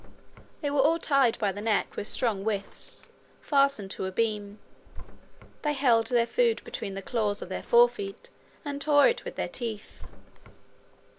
They were all tied by the neck with strong withes, fastened to a beam; they held their food between the claws of their forefeet, and tore it with their teeth.